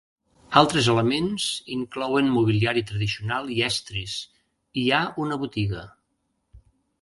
Altres elements inclouen mobiliari tradicional i estris, i hi ha una botiga.